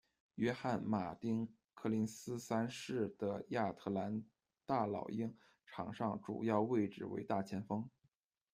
约翰·马丁·柯林斯三世的亚特兰大老鹰，场上主要位置为大前锋。